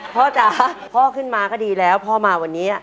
จ๋าพ่อขึ้นมาก็ดีแล้วพ่อมาวันนี้